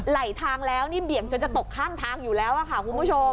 ไหลทางแล้วนี่เบี่ยงจนจะตกข้างทางอยู่แล้วค่ะคุณผู้ชม